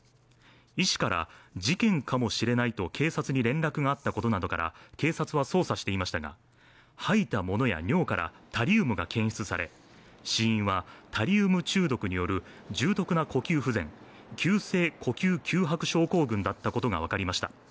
医師から事件かもしれないと警察に連絡があったことなどから警察は捜査していましたが、吐いたものや尿からタリウムが検出され、死因はタリウム中毒による重篤な呼吸不全急性呼吸窮迫症候群だったことが分かりました